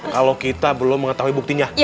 kalau kita belum mengetahui buktinya